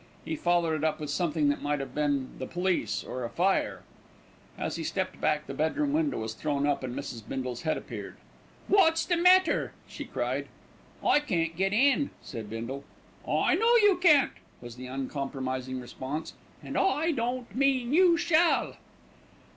He followed it up with something that might have been the police, or a fire. As he stepped back, the bedroom window was thrown up, and Mrs. Bindle's head appeared. "What's the matter?" she cried. "I can't get in," said Bindle. "I know you can't," was the uncompromising response, "and I don't mean you shall."